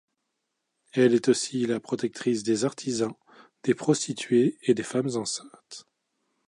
Elle est aussi la protectrice des artisans, des prostituées et des femmes enceintes.